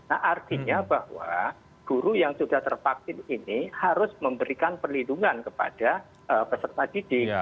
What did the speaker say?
nah artinya bahwa guru yang sudah tervaksin ini harus memberikan perlindungan kepada peserta didik